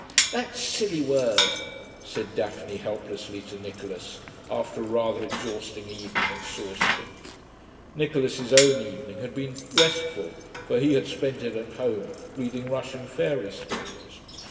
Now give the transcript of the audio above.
'That silly word,' said Daphne helplessly, to Nicholas, after a rather exhausting evening at Sawston. (Nicholas's own evening had been restful, for he had spent it at home, reading Russian fairy stories.)